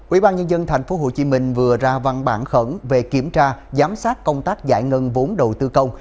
ubnd tp hcm vừa ra văn bản khẩn về kiểm tra giám sát công tác giải ngân vốn đầu tư công